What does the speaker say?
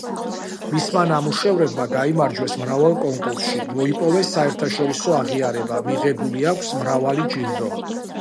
მისმა ნამუშევრებმა გაიმარჯვეს მრავალ კონკურსში, მოიპოვეს საერთაშორისო აღიარება, მიღებული აქვს მრავალი ჯილდო.